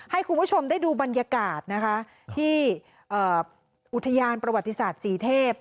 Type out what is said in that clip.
ให้คุณผู้ชมได้ดูบรรยากาศนะคะที่อุทยานประวัติศาสตร์ศรีเทพ